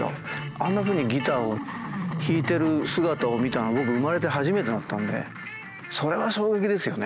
あんなふうにギターを弾いてる姿を見たのは僕生まれて初めてだったんでそれは衝撃ですよね。